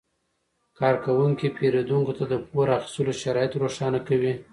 کارکوونکي پیرودونکو ته د پور اخیستلو شرایط روښانه کوي.